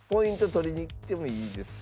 取りにいってもいいですし。